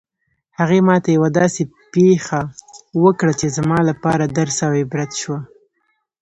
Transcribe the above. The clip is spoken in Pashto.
هغې ما ته یوه داسې پېښه وکړه چې زما لپاره درس او عبرت شوه